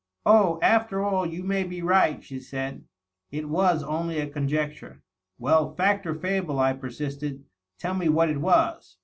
"Oh, after all you may be right/^ she said. "It was only a con jecture." " Well, feet or feble/' I persisted, |' tell me what it was.''